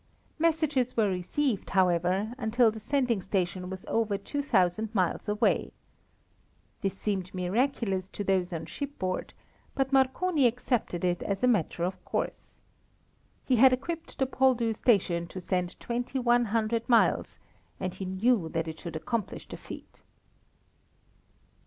Messages were received, however, until the sending station was over two thousand miles away. This seemed miraculous to those on shipboard, but Marconi accepted it as a matter of course. He had equipped the Poldhu station to send twenty one hundred miles, and he knew that it should accomplish the feat.